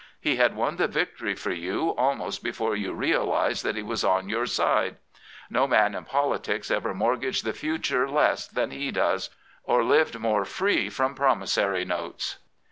He had won the victory for you 59 Prophets, Priests, and Kings ilmost before you realised that he was on your side. No man in politics ever mortgaged the future less than he does, or lived more free from promissory notes.